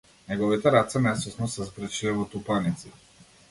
Неговите раце несвесно се згрчиле во тупаници.